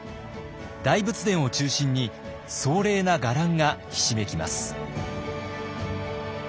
大仏殿を中心に壮麗な伽藍がひしめきます。